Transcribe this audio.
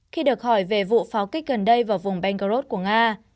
khi được hỏi về vụ pháo kích gần đây vào vùng bengrod của nga